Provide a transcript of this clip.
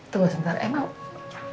tunggu sebentar emang